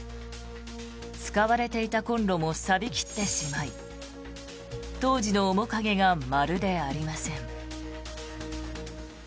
使われていたコンロもさび切ってしまい当時の面影がまるでありません。